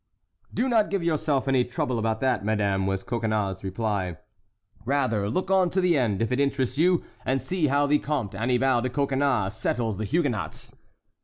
"Do not give yourself any trouble about that, madame," was Coconnas's reply; "rather look on to the end, if it interests you, and see how the Comte Annibal de Coconnas settles the Huguenots."